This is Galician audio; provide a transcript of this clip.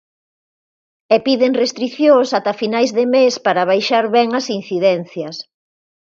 E piden restricións ata finais de mes para baixar ben as incidencias.